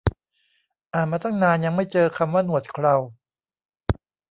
อ่านมาตั้งนาน ยังไม่เจอคำว่าหนวดเครา